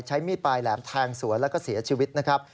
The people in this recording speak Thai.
ใช้มีดปลายแหลมแทงสวนแล้วก็เสียชีวิตนะครับ